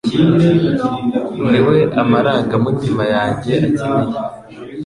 Ni we amaranga mutimayanjye akeneye